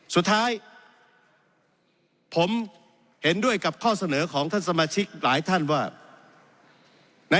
สุดท้ายผมเห็นด้วยกับข้อเสนอของท่านสมาชิกหลายท่านว่า